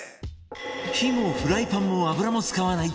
火もフライパンも油も使わない